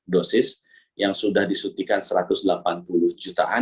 dosis yang sudah disuntikan satu ratus delapan puluh jutaan